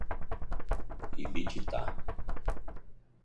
Ibititá